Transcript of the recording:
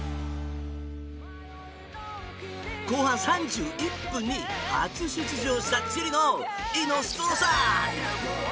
後半３１分に初出場したチリのイノストロサ。